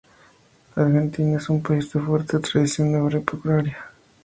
La Argentina es un país de fuerte tradición agropecuaria.